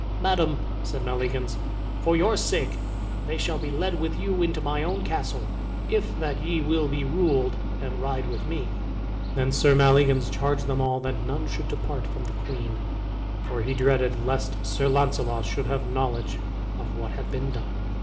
"Madame," said Maleagans, "for your sake they shall be led with you into my own castle, if that ye will be ruled, and ride with me." Then Sir Maleagans charged them all that none should depart from the queen, for he dreaded lest Sir Launcelot should have knowledge of what had been done.